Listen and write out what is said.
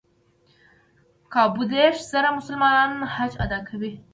کابو دېرش زره مسلمانان حج ادا کوي.